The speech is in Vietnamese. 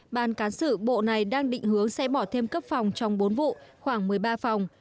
ban cán sự bộ này đang định hướng sẽ bỏ thêm cấp phòng trong bốn vụ khoảng một mươi ba phòng